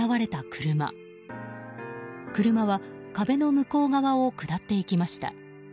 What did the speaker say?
車は、壁の向こう側を下っていきました。